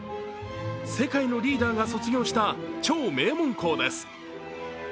世界のリーダーが卒業した超名門校です。